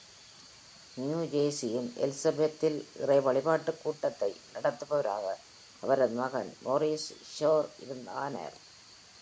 New Jersey இன் Elizabeth-இல் இறை வழிபாட்டுக் கூட்டத்தை நடத்துபவராக அவரது மகன் Morris Schorr ஆனார்.